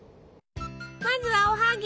まずはおはぎ！